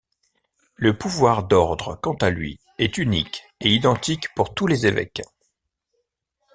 Le pouvoir d'ordre, quant à lui, est unique et identique pour tous les évêques.